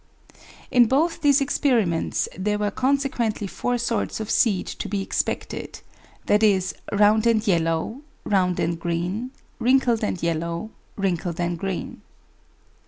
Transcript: In both these experiments there were conse quently four sorts of seed to be expected — viz. round and yellow, round and green, wrinkled and yellow, wrinkled and green.